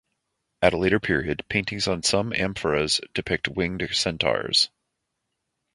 At a later period, paintings on some amphoras depict winged centaurs.